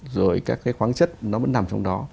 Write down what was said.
rồi các cái khoáng chất nó vẫn nằm trong đó